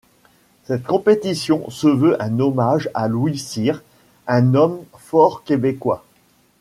Cette compétition se veut un hommage à Louis Cyr, un homme fort québécois.